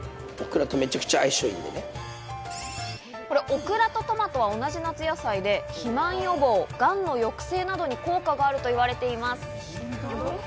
オクラとトマトは同じ夏野菜で肥満予防、がんの抑制などに効果があると言われています。